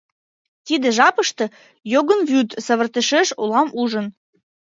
Тиде жапыште йогын вӱд савыртышеш улам ужым.